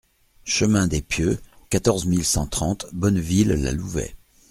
Chemin des Pieux, quatorze mille cent trente Bonneville-la-Louvet